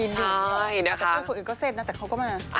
แต่คนอื่นก็เซ็นนะแต่เขาก็มา